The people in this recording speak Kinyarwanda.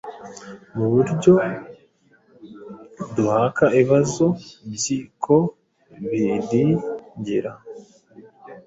Muburyo duhaka ibibazo byii ko birngira